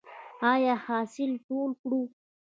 آیا حاصل ټول کړو؟